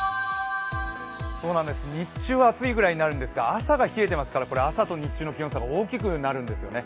日中は暑いぐらいになるんですが、朝が冷えていますから朝と日中の気温差が大きくなるんですね。